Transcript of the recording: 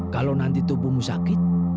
kalau nanti tubuhmu sakit